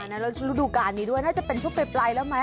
แล้วจุดอยู่กันนี้ด้วยน่าจะเป็นช่วงเต็มใบปายแล้วไหม